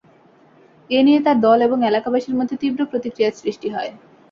এ নিয়ে তাঁর দল এবং এলাকাবাসীর মধ্যে তীব্র প্রতিক্রিয়ার সৃষ্টি হয়।